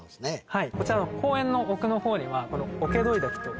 はいこちら公園の奥のほうに。